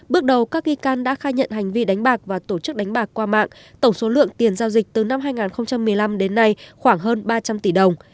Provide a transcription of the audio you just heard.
bước đầu các nghi can đã khai nhận hành vi đánh bạc và tổ chức đánh bạc qua mạng tổng số lượng tiền giao dịch từ năm hai nghìn một mươi năm đến nay khoảng hơn ba trăm linh tỷ đồng